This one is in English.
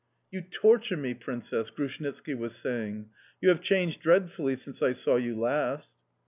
"You torture me, Princess!" Grushnitski was saying. "You have changed dreadfully since I saw you last"...